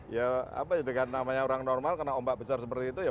ya apa ya dengan namanya orang normal karena ombak besar seperti itu ya